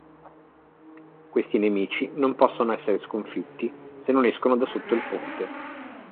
Questi nemici non possono essere sconfitti se non escono da sotto il ponte.